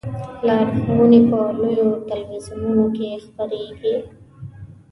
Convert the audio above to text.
لارښوونې په لویو تلویزیونونو کې خپریږي.